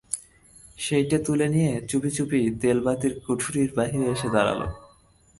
সেইটে তুলে নিয়ে চুপি চুপি তেলবাতির কুঠরির বাইরে এসে দাঁড়াল।